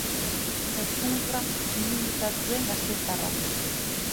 Eskumuturra minduta zuen gasteiztarrak.